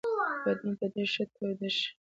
بدن به دي ښه تود شي .